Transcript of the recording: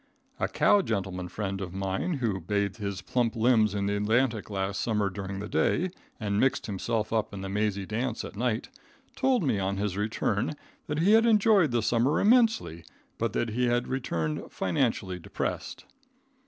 A cow gentleman friend of mine who bathed his plump limbs in the Atlantic last summer during the day, and mixed himself up in the mazy dance at night, told me on his return that he had enjoyed the summer immensely, but that he had returned financially depressed.